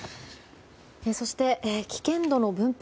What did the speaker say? そして、危険度の分布